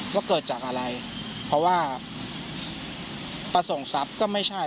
ว่าเกิดจากอะไรเพราะว่าประสงค์ทรัพย์ก็ไม่ใช่